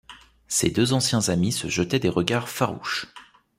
Ces deux anciens amis se jetaient des regards farouches.